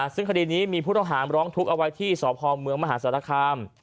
ซึ่งคดีนี้มีผู้ต้องหามร้องทุกข์เอาไว้ที่สพเมืองมหาศาลคาม